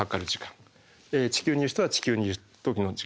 地球にいる人は地球にいる時の時間。